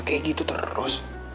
ke gitu terus